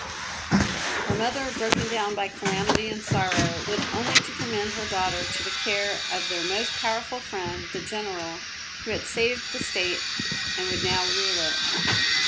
Her mother, broken down by calamity and sorrow, lived only to commend her daughter to the care of their most powerful friend, the general who had saved the State and would now rule it.